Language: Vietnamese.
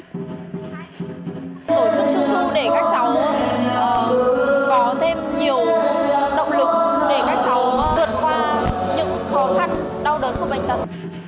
tổ chức trung thu để các cháu có thêm nhiều động lực để các cháu vượt qua những khó khăn đau đớn của bệnh tật